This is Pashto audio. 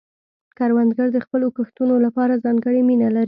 کروندګر د خپلو کښتونو لپاره ځانګړې مینه لري